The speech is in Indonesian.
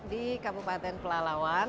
di kabupaten pelaluan